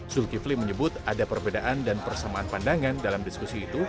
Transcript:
zulkifli menyebut ada perbedaan dan persamaan pandangan dalam diskusi itu